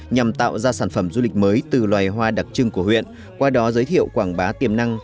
nhằm tạo ra sản phẩm du lịch mới từ loài hoa đặc trưng của huyện qua đó giới thiệu quảng bá tiềm năng